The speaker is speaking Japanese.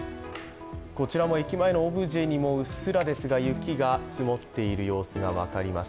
こちらも駅前のオブジェにもうっすらと雪が積もっているのが分かります。